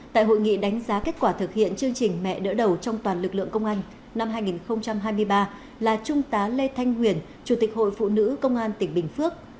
tại hội nghị đánh giá kết quả thực hiện chương trình mẹ đỡ đầu trong toàn lực lượng công an năm hai nghìn hai mươi ba là trung tá lê thanh huyền chủ tịch hội phụ nữ công an tỉnh bình phước